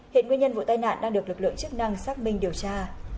hiện nguyên nhân vụ tai nạn đang được lực lượng chức năng xác minh điều tra